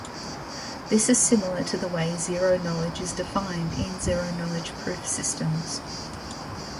This is similar to the way zero-knowledge is defined in zero-knowledge proof systems.